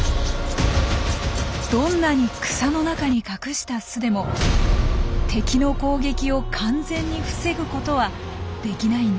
どんなに草の中に隠した巣でも敵の攻撃を完全に防ぐことはできないんです。